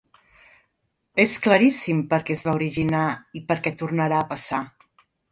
És claríssim per què es va originar i per què tornarà a passar.